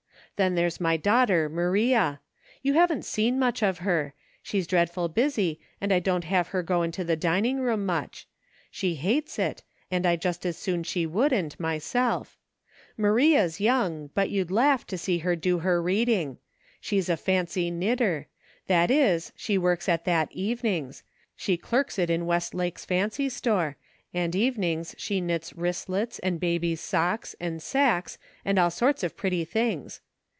Then there's my daugh ter Maria ; you haven't seen much of her ; she's dreadful busy, and I don't have her go into the dining room much ; she hates it, and I just as soon she wouldn't, myself ; Maria's young, but you'd laugh to see her do her reading. She's a fancy knitter ; that is, she works at that evenings ; she clerks it in Westlake's fancy store ; and evenings she knits wristlets, and babies' socks, and sacks, and all sorts of pretty things.